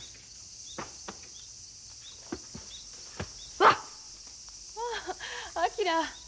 わっ！ああ昭。